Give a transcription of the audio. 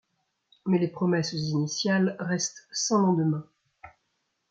Mais les promesses initiales restent sans lendemain.